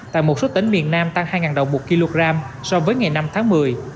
tại một số tỉnh miền nam tăng hai đồng một kg so với ngày năm tháng một mươi